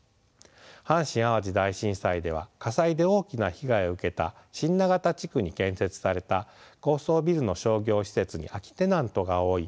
阪神・淡路大震災では火災で大きな被害を受けた新長田地区に建設された高層ビルの商業施設に空きテナントが多い。